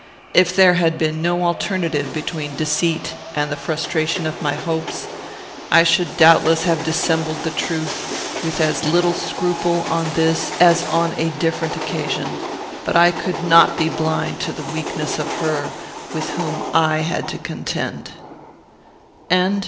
If there had been no alternative between deceit and the frustration of my hopes, I should doubtless have dissembled the truth with as little scruple on this as on a different occasion; but I could not be blind to the weakness of her with whom I had to contend.